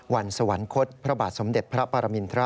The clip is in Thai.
สวรรคตพระบาทสมเด็จพระปรมินทร